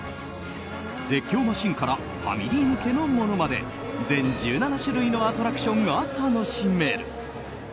絶叫マシンからファミリー向けのものまで全１７種類のアトラクションが楽しめる。